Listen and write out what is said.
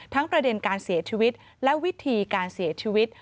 ประเด็นการเสียชีวิตและวิธีการเสียชีวิต